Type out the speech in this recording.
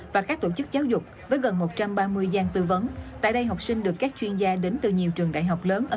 và các tổ chức giáo dục với gần một trăm ba mươi gian tư vấn